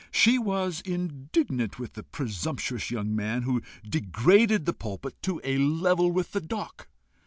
she was indignant with the presumptuous young man who degraded the pulpit to a level with the dock.